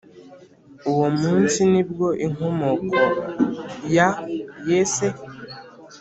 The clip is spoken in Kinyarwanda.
Uwo munsi ni bwo inkomoko ya Yese,